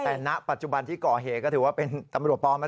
แต่ณปัจจุบันที่ก่อเหตุก็ถือว่าเป็นตำรวจปลอม